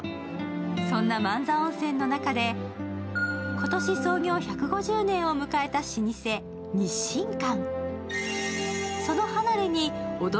そんな万座温泉の中で今年創業１５０年を迎えた老舗日進館